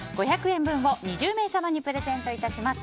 ５００円分を２０名様にプレゼントいたします。